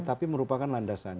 tapi merupakan landasan